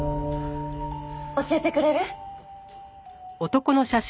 教えてくれる？